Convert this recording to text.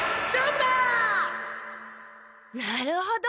なるほど。